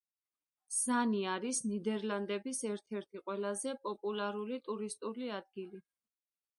ზანი არის ნიდერლანდების ერთ-ერთი ყველაზე პოპულარული ტურისტული ადგილი.